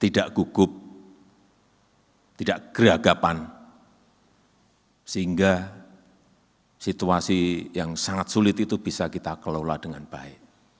tidak gugup tidak geragapan sehingga situasi yang sangat sulit itu bisa kita kelola dengan baik